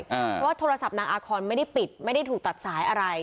เพราะว่าโทรศัพท์นางอาคอนไม่ได้ปิดไม่ได้ถูกตัดสายอะไร